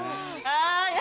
はい。